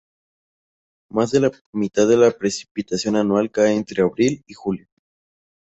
Más de la mitad de la precipitación anual cae entre abril y julio.